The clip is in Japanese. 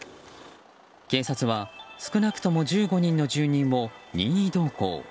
警察は、少なくとも１５人の住人を任意同行。